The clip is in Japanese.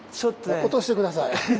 落として下さい。